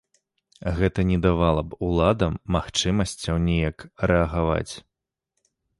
Гэта не давала б уладам магчымасцяў неяк рэагаваць.